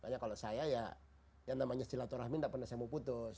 karena kalau saya ya yang namanya silaturahim ini nggak pernah saya mau putus